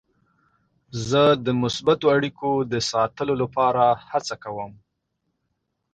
زه د مثبتو اړیکو د ساتلو لپاره هڅه کوم.